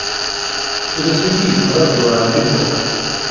Tella tin i yettṛaju ɛemmi Muḥ.